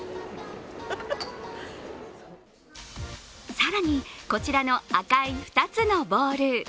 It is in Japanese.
更に、こちらの赤い２つボウル。